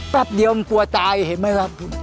แป๊บเดียวมันกลัวตายเห็นไหมครับ